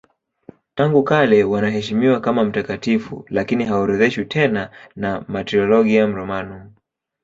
Tangu kale wanaheshimiwa kama mtakatifu lakini haorodheshwi tena na Martyrologium Romanum.